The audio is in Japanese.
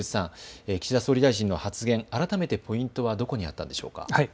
岸田総理大臣の発言、改めてポイントはどこにあったでしょうか。